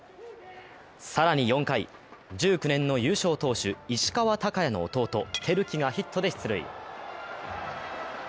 更に４回、１９年の優勝投手、石川昂弥の弟、瑛貴がヒットで出塁。